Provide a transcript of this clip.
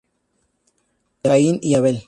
Caín y Abel.